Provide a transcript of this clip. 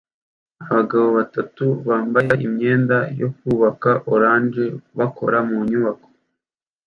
Abagabo batatu bambaye imyenda yo kubaka orange bakora mu nyubako